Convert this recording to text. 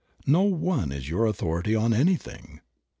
No one is your authority on anything.